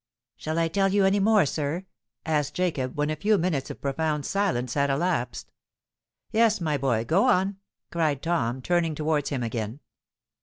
"Shall I tell you any more, sir?" asked Jacob, when a few minutes of profound silence had elapsed. "Yes, my boy: go on!" cried Tom, turning towards him again.